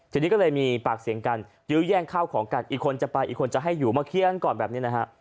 ทีนี้ก็เลยมีปากเสียงกันยื้อแย่งข้าวของกันอีกคนจะไปอีกคนจะให้อยู่มาเคลียร์กันก่อนแบบนี้นะฮะ